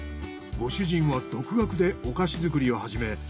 ご主人は独学でお菓子作りを始め